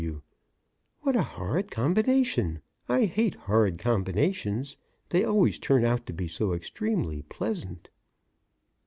W.: What a horrid combination! I hate horrid combinations; they always turn out to be so extremely pleasant.